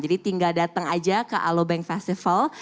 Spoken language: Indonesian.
jadi tinggal datang aja ke alobank festival